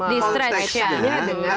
di stretch ya